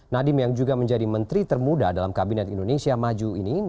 nadiem yang juga menjadi menteri termuda dalam kabinet indonesia maju ini